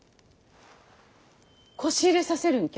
こし入れさせるんきゃ？